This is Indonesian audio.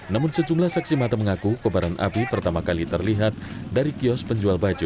namun sejumlah saksi mata mengaku kebaran api pertama kali terlihat dari kios penjual baju